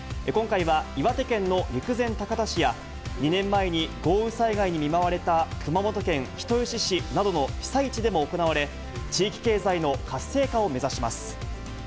今回は岩手県の陸前高田市や、２年前に豪雨災害に見舞われた熊本県人吉市などの被災地でも行われ、地域経済の活性化を目指します。